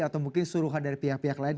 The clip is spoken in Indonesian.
atau mungkin suruhan dari pihak pihak lain